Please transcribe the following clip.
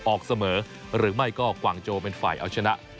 ออกเสมอหรือไม่ก็กวางโจเป็นฝ่ายเอาชนะ